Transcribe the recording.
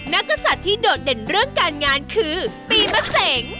กษัตริย์ที่โดดเด่นเรื่องการงานคือปีมะเสง